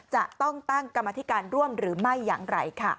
จะต้องตั้งกรรมธิการร่วมหรือไม่อย่างไรค่ะ